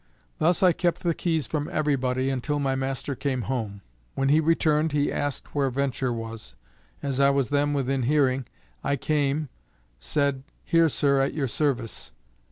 Thus I kept the keys from every body until my master came home. When he returned he asked where VENTURE was. As I was then within hearing, I came, said, here sir, at your service.